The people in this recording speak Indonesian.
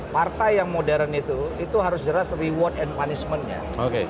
partai yang modern itu itu harus jelas reward and punishment nya